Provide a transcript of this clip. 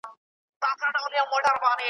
رند به په لاسو کي پیاله نه لري .